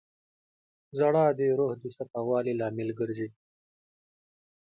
• ژړا د روح د صفا والي لامل ګرځي.